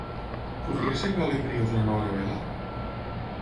¿Podria ser allò l'embrió d'una nova novel·la?